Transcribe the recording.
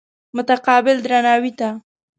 متقابل درناوي ته.